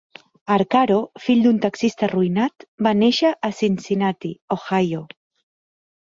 Arcaro, fill d'un taxista arruïnat, va néixer a Cincinnati, Ohio.